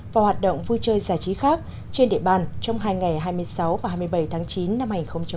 và hoạt động vui chơi giải trí khác trên địa bàn trong hai ngày hai mươi sáu và hai mươi bảy tháng chín năm hai nghìn một mươi chín